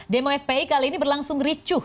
demo fpi kali ini berlangsung ricuh